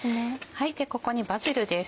ここにバジルです。